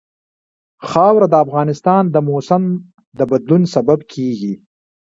خاوره د افغانستان د موسم د بدلون سبب کېږي.